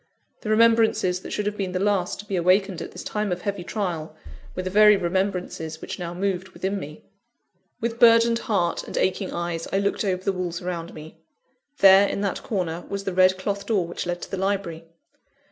The remembrances that should have been the last to be awakened at this time of heavy trial, were the very remembrances which now moved within me. With burdened heart and aching eyes I looked over the walls around me. There, in that corner, was the red cloth door which led to the library.